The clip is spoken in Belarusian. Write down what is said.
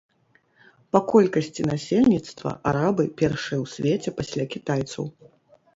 Па колькасці насельніцтва арабы першыя ў свеце пасля кітайцаў.